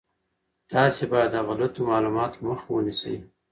تاسي باید د غلطو معلوماتو مخه ونیسئ.